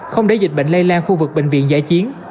không để dịch bệnh lây lan khu vực bệnh viện giải chiến